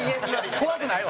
怖くないわ。